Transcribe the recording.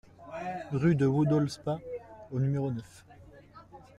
Rue de Woodhall-Spa au numéro neuf